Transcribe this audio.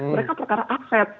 mereka perkara aset